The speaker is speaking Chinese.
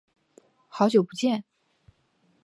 好久不见。